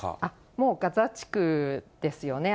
もうガザ地区ですよね。